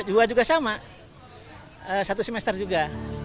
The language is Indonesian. dua juga sama satu semester juga